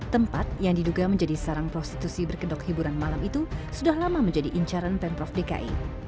tempat yang diduga menjadi sarang prostitusi berkedok hiburan malam itu sudah lama menjadi incaran pemprov dki